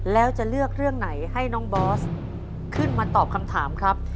แล้วจะเลือกเรื่องไหนให้น้องบอสขึ้นมาตอบคำถามครับ